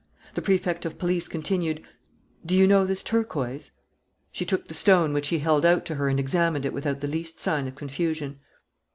The Prefect of Police continued: "Do you know this turquoise?" She took the stone which he held out to her and examined it without the least sign of confusion.